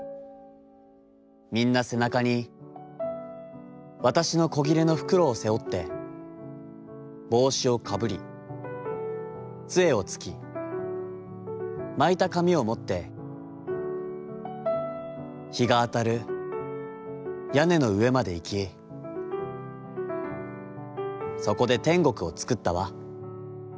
みんな背中に、わたしの小布の袋を背負って、帽子をかぶり、杖をつき、巻いた紙をもって、日があたる屋根の上までいき、そこで天国をつくったわ』。